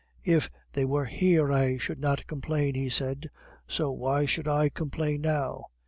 "If they were here, I should not complain," he said. "So why should I complain now?"